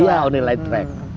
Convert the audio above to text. iya sudah sesuai